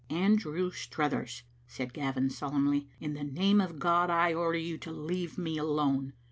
"Andrew Struthers," said Gavin solemnly, "in the name of God I order you to leave me alone.